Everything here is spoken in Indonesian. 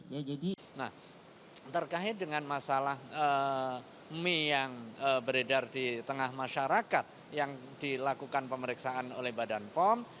nah terkait dengan masalah mie yang beredar di tengah masyarakat yang dilakukan pemeriksaan oleh badan pom